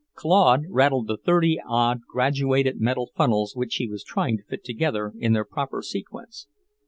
Claude rattled the thirty odd graduated metal funnels which he was trying to fit together in their proper sequence.